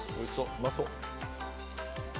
うまそう！